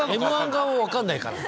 『Ｍ−１』側も分かんないから。